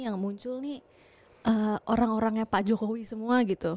yang muncul nih orang orangnya pak jokowi semua gitu